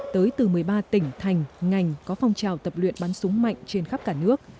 tới từ một mươi ba tỉnh thành ngành có phong trào tập luyện bắn súng mạnh trên khắp cả nước